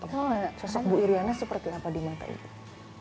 kalau sosok bu iryana seperti apa di mata ibu